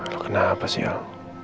lo kenapa sih al